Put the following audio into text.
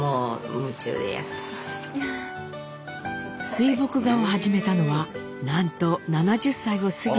水墨画を始めたのはなんと７０歳を過ぎてから。